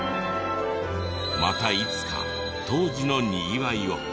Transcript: またいつか当時のにぎわいを。